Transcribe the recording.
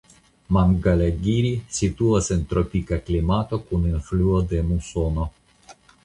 Mangalagiri situas en tropika klimato kun influo de musono.